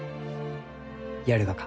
やるがか？